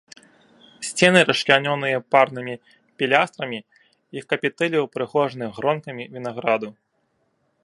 Сцены расчлянёныя парнымі пілястрамі, іх капітэлі ўпрыгожаны гронкамі вінаграду.